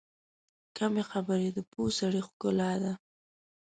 کمې خبرې، د پوه سړي ښکلا ده.